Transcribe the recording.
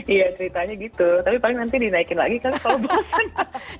iya ceritanya gitu tapi paling nanti dinaikin lagi karena selalu bosen